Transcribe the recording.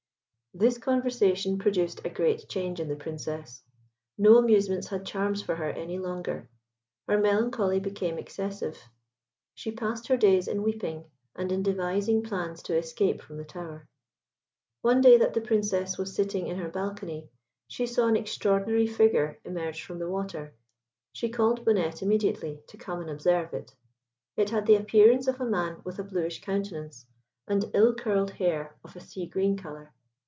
This conversation produced a great change in the Princess. No amusements had charms for her any longer. Her melancholy became excessive. She passed her days in weeping and in devising plans to escape from the tower. One day that the Princess was sitting in her balcony, she saw an extraordinary figure emerge from the water. She called Bonnette immediately to come and observe it. It had the appearance of a man with a bluish countenance, and ill curled hair of a sea green colour.